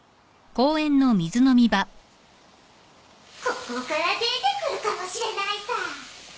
ここから出てくるかもしれないさ。